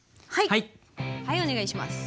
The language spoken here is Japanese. はいお願いします。